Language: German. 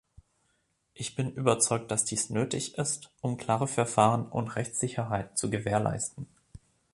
Ich bin überzeugt, dass dies nötig ist, um klare Verfahren und Rechtssicherheit zu gewährleisten.